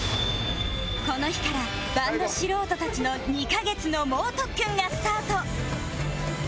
この日からバンド素人たちの２カ月の猛特訓がスタート